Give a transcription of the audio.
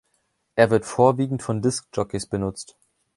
Er wird vorwiegend von Disc-Jockeys genutzt.